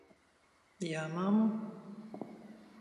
Jā, mammu?